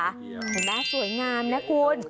เห็นไหมสวยงามนะคุณ